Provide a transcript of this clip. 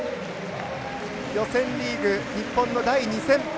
予選リーグ、日本の第２戦。